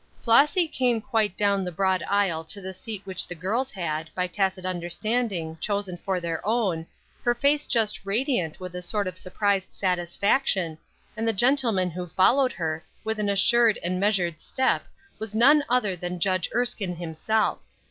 FLOSSY came quite down the broad aisle to the seat which the girls had, by tacit understanding, chosen for their own, her face just radiant with a sort of surprised satisfaction, and the gentleman who followed her with an assured and measured step was none other than Judge Erskine himself.